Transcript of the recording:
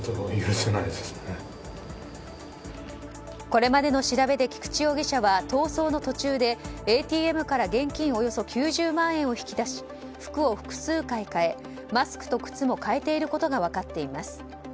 これまでの調べで菊池容疑者は、逃走の途中でＡＴＭから現金およそ９０万円を引き出し服を複数回変え、マスクと靴も変えていることがわかっています。